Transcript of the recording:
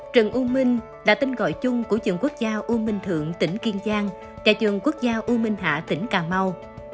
trần u minh là tên gọi chung của trường quốc gia u minh thượng tỉnh kiên giang và trường quốc gia u minh hạ tỉnh cà mau